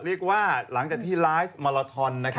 เรียกว่าหลังที่ไลฟ์มาราท็อน